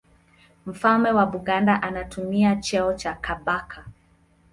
Mfalme wa Buganda anatumia cheo cha Kabaka.